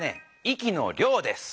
「息の量」です。